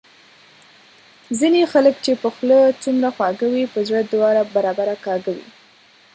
ځینی خلګ چي په خوله څومره خواږه وي په زړه دوه برابره کاږه وي